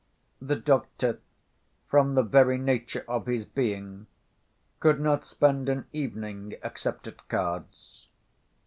The doctor, from the very nature of his being, could not spend an evening except at cards.